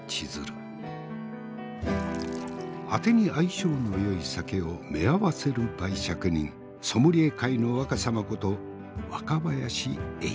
あてに相性のよい酒をめあわせる媒酌人ソムリエ界の若さまこと若林英司。